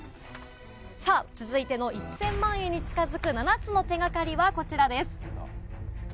さあ、続いての１０００万円に近づく７つの手がかりはこちらです。